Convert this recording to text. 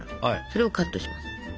それをカットします。